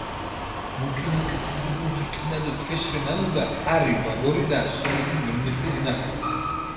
მუკ-მუკი ქუგუჸუნს რკინა დო თეშ რე ნამუდა, კარი ვაგორიდა სოლეთინ ვემნირთე დინახალე.